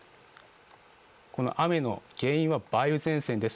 この雨の原因は梅雨前線です。